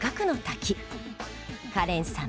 カレンさん